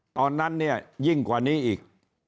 ตอนนั้นยิ่งกว่านี้อีก